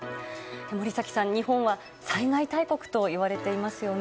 森崎さん、日本は災害大国といわれていますよね。